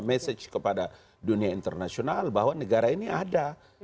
message kepada dunia internasional bahwa negara ini ada